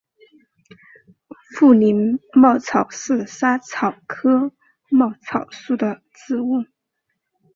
富宁薹草是莎草科薹草属的植物。